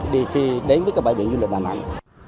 đi đến bãi biển du lịch nam đà nẵng